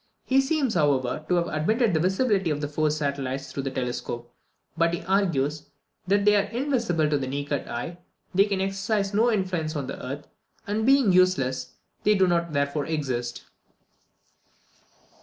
He seems, however, to have admitted the visibility of the four satellites through the telescope; but he argues, that as they are invisible to the naked eye, they can exercise no influence on the earth; and being useless, they do not therefore exist.